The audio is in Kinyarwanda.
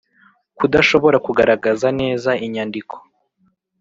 kudashobora kugaragaza neza inyandiko